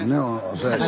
そうやし。